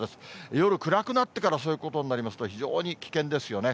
夜暗くなってから、そういうことになりますと、非常に危険ですよね。